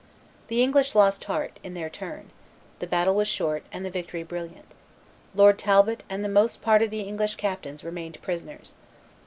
The English lost heart, in their turn; the battle was short, and the victory brilliant; Lord Talbot and the most part of the English captains remained prisoners.